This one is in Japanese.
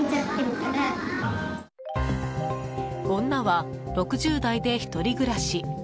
女は６０代で１人暮らし。